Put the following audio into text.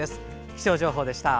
気象情報でした。